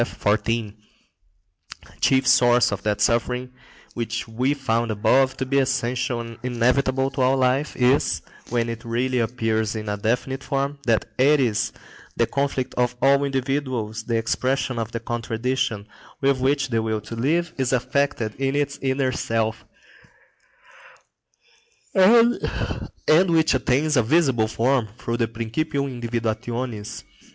A chief source of that suffering which we found above to be essential and inevitable to all life is, when it really appears in a definite form, that Eris, the conflict of all individuals, the expression of the contradiction, with which the will to live is affected in its inner self, and which attains a visible form through the principium individuationis.